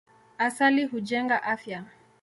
Asali hujenga afya.